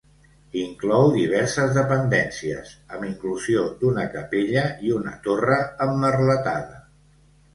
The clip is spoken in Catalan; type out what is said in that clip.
Inclou diverses dependències, amb inclusió d'una capella i una torre emmerletada.